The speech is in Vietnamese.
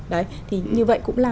đấy thì như vậy cũng là